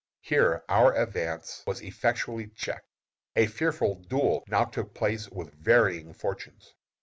Here our advance was effectually checked. A fearful duel now took place with varying fortunes.